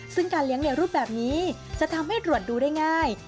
ซึ่งการเลี้ยงในรูปแบบนี้จะทำให้ตรวจดูได้ง่าย